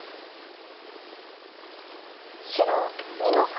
白２の三。